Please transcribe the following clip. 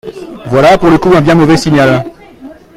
Voilà, pour le coup, un bien mauvais signal.